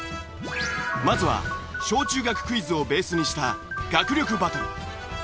まずは小中学クイズをベースにした学力バトル。